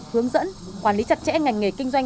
hướng dẫn quản lý chặt chẽ ngành nghề kinh doanh